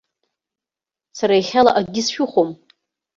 Сара иахьала акгьы сшәыхәом.